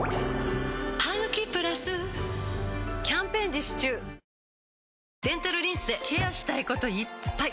「ハグキプラス」キャンペーン実施中デンタルリンスでケアしたいこといっぱい！